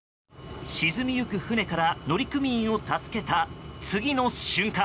沈みゆく船から乗組員を助けた次の瞬間。